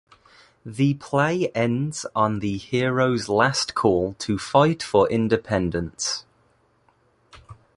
The play ends on the hero's last call to fight for independence.